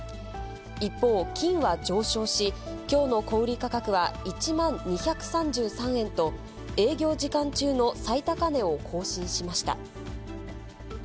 一方、金は上昇し、きょうの小売り価格は１万２３３円と、営業時間中の最高値を更新しました。